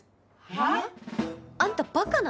えっ？あんた馬鹿なの？